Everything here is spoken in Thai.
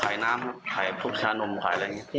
ขายน้ำขายพวกชานมขายอะไรอย่างนี้